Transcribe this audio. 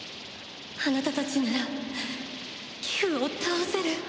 あなたたちならギフを倒せる！